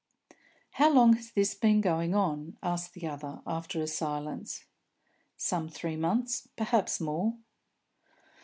"How long has this been going on?" asked the other, after a silence. "Some three months perhaps more."